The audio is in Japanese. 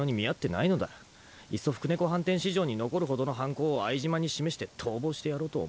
いっそ福猫飯店史上に残るほどの犯行を相島に示して逃亡してやろうと思う。